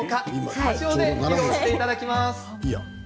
スタジオで披露していただきます。